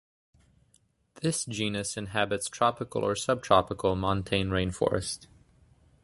This genus inhabits tropical or subtropical montane rainforest.